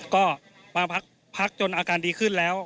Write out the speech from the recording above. ก็มาพักจนอาการดีขึ้นแล้ว